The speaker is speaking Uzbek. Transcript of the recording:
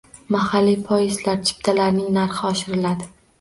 Mahalliy poyezdlar chiptalarining narxi oshiriladi.